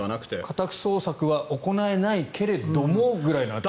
家宅捜索は行えないけれどもという。